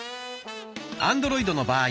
アンドロイドの場合